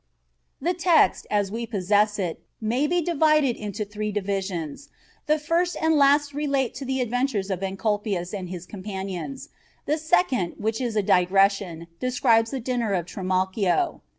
The text, as we possess it, may be divided into three divisions: the first and last relate the adventures of Encolpius and his companions, the second, which is a digression, describes the Dinner of Trimalchio.